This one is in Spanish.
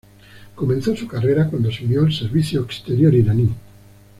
Comenzó su carrera cuando se unió al servicio exterior iraní.